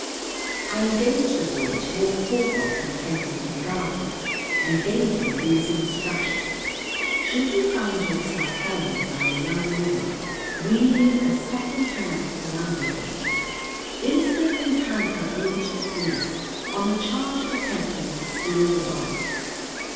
I engaged a boy to walk Porthos in Kensington Gardens, and gave him these instructions: "Should you find yourself followed by a young woman wheeling a second hand perambulator, instantly hand her over to the police on the charge of attempting to steal the dog."